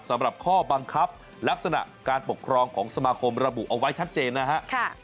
สำหรับข้อบังคับลักษณะการปกครองของสมาคมระบุเอาไว้ชัดเจนนะฮะ